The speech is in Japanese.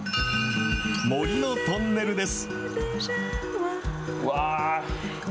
森のトンネルです。